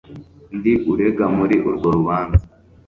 Ndi urega muri urwo rubanza